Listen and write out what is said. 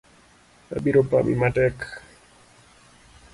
Abiro pami matek.